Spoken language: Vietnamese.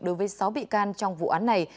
đối với sáu bị can trong vụ án này